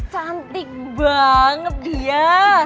cantik banget dia